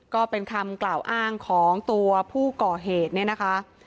ก็เป็นคำกล่าวอ้างของตัวผู้ก่อเหตุเนี่ยนะคะ